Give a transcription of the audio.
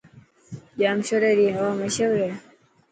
ڄامشوري ري هوا مشهور هي.